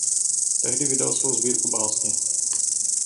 Tehdy vydal svou sbírku Básně.